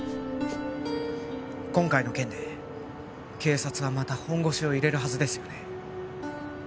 今回の件で警察はまた本腰を入れるはずですよね